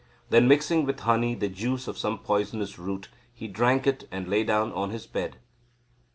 Then mixing with honey the juice of some poisonous root he drank it and lay down on his bed.